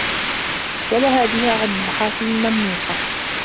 وَلَهَا بِهَا عَنْ الْمَحَاسِنِ الْمَمْنُوحَةِ